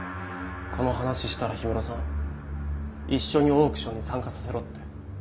この話したら氷室さん一緒にオークションに参加させろって。